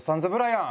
やん！